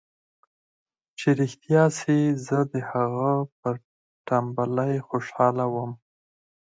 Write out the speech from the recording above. چې رښتيا سي زه د هغه پر ټمبلۍ خوشاله وم.